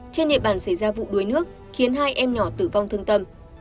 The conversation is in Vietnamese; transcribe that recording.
trên địa bàn xảy ra vụ đuối nước khiến hai em nhỏ tử vong thương tâm